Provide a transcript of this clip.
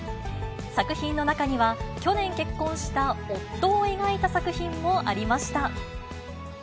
作品の中には、去年結婚した夫を描いた作品もありました。